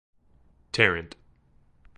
Tarrant.